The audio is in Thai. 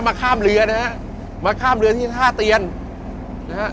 ข้ามเรือนะฮะมาข้ามเรือที่ท่าเตียนนะฮะ